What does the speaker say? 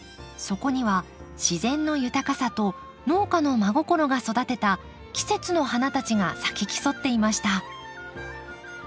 そこには自然の豊かさと農家の真心が育てた季節の花たちが咲き競っていました。